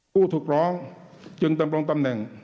ผู้ถูกร้องจึงดำรงตำแหน่ง